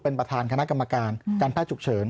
เป็นประธานคณะกรรมการการแพทย์ฉุกเฉิน